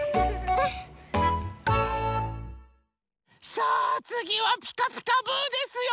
さあつぎは「ピカピカブ！」ですよ。